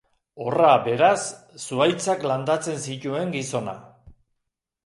Horra, beraz, zuhaitzak landatzen zituen gizona.